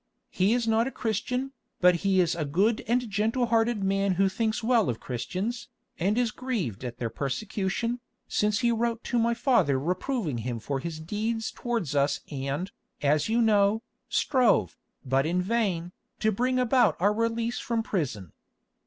He is not a Christian, but he is a good and gentle hearted man who thinks well of Christians, and is grieved at their persecution, since he wrote to my father reproving him for his deeds towards us and, as you know, strove, but in vain, to bring about our release from prison.